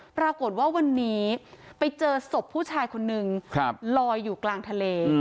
ปรากฏว่าวันนี้ไปเจอศพผู้ชายคนนึงลอยอยู่กลางทะเล